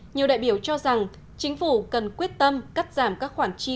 nhiều đại biểu cho rằng chính phủ cần quyết tâm cắt giảm các khoản chi